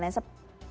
ya seperti itu